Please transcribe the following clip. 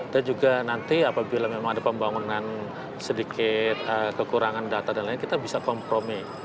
dan juga nanti apabila memang ada pembangunan sedikit kekurangan data dan lain lain kita bisa kompromi